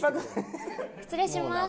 失礼します。